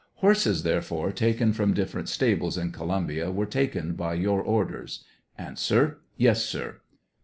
Horses, therefore, taken from different stables in Columbia were taken by your orders ? A. Yes, sir.